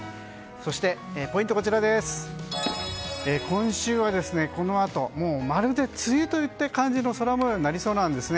そしてポイントは今週はこのあとまるで梅雨といった感じの空模様になりそうなんです。